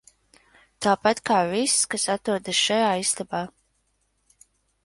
Tāpat kā viss, kas atrodas šajā istabā.